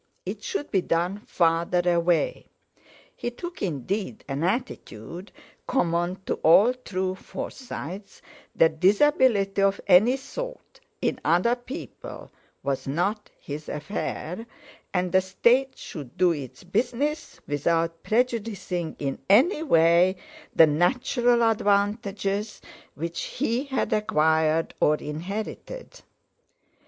It should be done farther away. He took, indeed, an attitude common to all true Forsytes, that disability of any sort in other people was not his affair, and the State should do its business without prejudicing in any way the natural advantages which he had acquired or inherited.